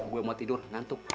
gue mau tidur ngantuk